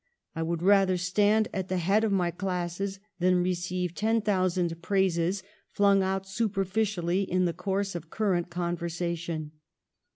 I would rather stand at the head of my classes than receive ten thou sand praises flung out superficially in the course of current conversation.